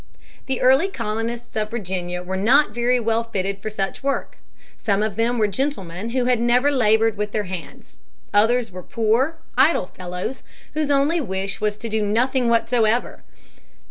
The early colonists of Virginia were not very well fitted for such a work. Some of them were gentlemen who had never labored with their hands; others were poor, idle fellows whose only wish was to do nothing whatever.